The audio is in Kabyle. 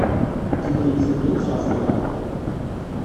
Kemmlemt ddumt ɣef uḍaṛ.